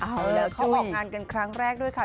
เอาแล้วเขาออกงานกันครั้งแรกด้วยค่ะ